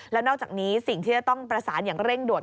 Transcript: แล้วนอกจากนี้สิ่งที่จะต้องประสานอย่างเร่งด่วน